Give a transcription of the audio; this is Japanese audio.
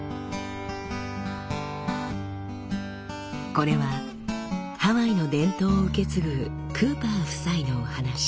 これはハワイの伝統を受け継ぐクーパー夫妻のお話。